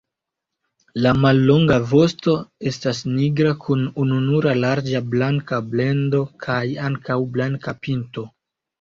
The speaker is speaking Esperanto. La mallonga vosto estas nigra kun ununura larĝa blanka bendo kaj ankaŭ blanka pinto.